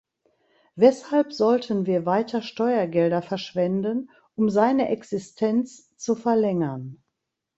Weshalb sollten wir weiter Steuergelder verschwenden, um seine Existenz zu verlängern?